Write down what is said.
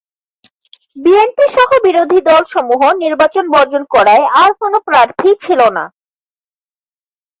BNP সহ বিরোধী দল সমূহ নির্বাচন বর্জন করায় আর কোন প্রার্থী ছিল না।